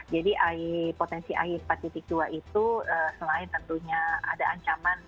jadi potensi ai empat dua itu selain tentunya ada ancaman